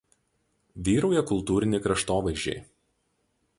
Vyrauja kultūriniai kraštovaizdžiai.